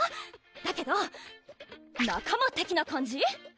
だけど仲間的な感じ？